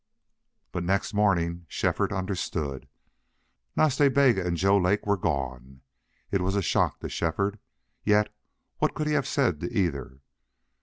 But next morning Shefford understood. Nas Ta Bega and Joe Lake were gone. It was a shock to Shefford. Yet what could he have said to either?